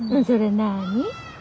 それなあに？